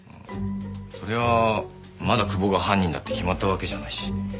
そりゃまだ久保が犯人だって決まったわけじゃないし。